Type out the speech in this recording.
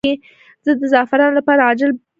زه د زعفرانو لپاره عاجل بار خدمت کاروم.